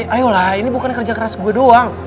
ayolah ini bukan kerja keras gue doang